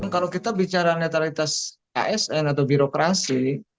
kalau kita bicara netralitas asn atau birokrasi